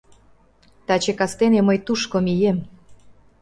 Таче кастене мый тушко мием.